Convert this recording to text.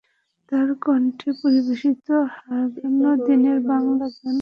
তাঁর কণ্ঠে পরিবেশিত হারানো দিনের বাংলা গান শুনে শ্রোতারা নস্টালজিক হয়ে পড়ে।